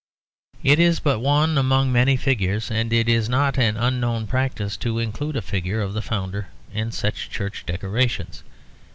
It is but one among many figures; and it is not an unknown practice to include a figure of the founder in such church decorations.